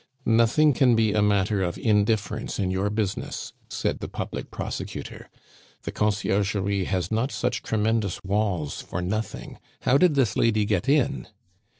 "Nothing can be a matter of indifference in your business," said the public prosecutor. "The Conciergerie has not such tremendous walls for nothing. How did this lady get in?"